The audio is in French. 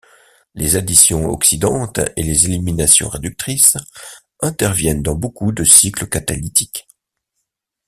Les additions oxydantes et les éliminations réductrices interviennent dans beaucoup de cycles catalytiques.